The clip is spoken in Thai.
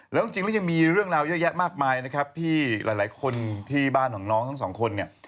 แล้วจริงแล้วยังมีเรื่องราวเยอะแยะมากมายนะครับที่หลายคนที่บ้านของน้องทั้งสองคนเนี่ย